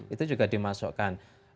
itu juga dimasukkan